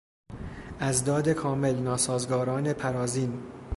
اضداد کامل، ناسازگاران پرازین